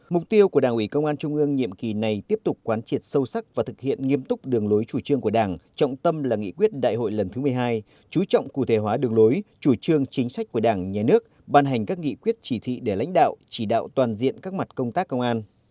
mục tiêu của đảng ủy công an trung ương nhiệm kỳ này tiếp tục quán triệt sâu sắc và thực hiện nghiêm túc đường lối chủ trương của đảng trọng tâm là nghị quyết đại hội lần thứ một mươi hai chú trọng cụ thể hóa đường lối chủ trương chính sách của đảng nhà nước ban hành các nghị quyết chỉ thị để lãnh đạo chỉ đạo toàn diện các mặt công tác công an